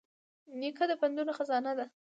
نیکه د پندونو خزانه وي.